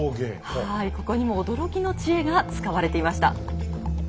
ここにも驚きの知恵が使われていました。